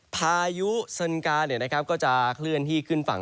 พายุสันกาเนี่ยนะครับก็จะเคลื่อนที่ขึ้นฝั่ง